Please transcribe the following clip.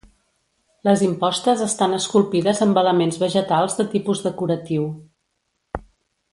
Les impostes estan esculpides amb elements vegetals de tipus decoratiu.